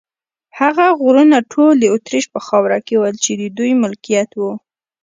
هغه غرونه ټول د اتریش په خاوره کې ول، چې د دوی ملکیت و.